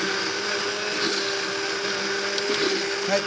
はい。